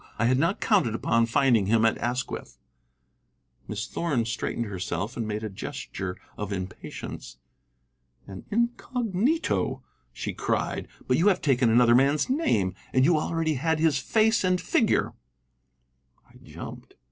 I had not counted upon finding him at Asquith." Miss Thorn straightened herself and made a gesture of impatience. "An incognito!" she cried. "But you have taken another man's name. And you already had his face and figure!" I jumped.